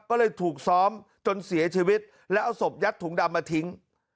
ก็เลยถูกซ้อมจนเสียชีวิตแล้วเอาศพยัดถุงดำมาทิ้ง